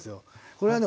これはね